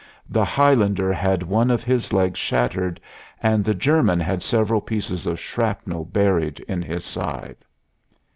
The Highlander had one of his legs shattered, and the German had several pieces of shrapnel buried in his side.